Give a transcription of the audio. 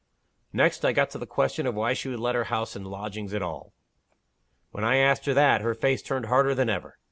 "Next, I got to the question of why she should let her house in lodgings at all. When I asked her that, her face turned harder than ever.